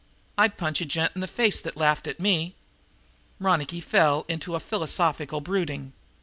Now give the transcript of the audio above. I'd punch a gent in the face that laughed at me!" But Ronicky fell into a philosophical brooding.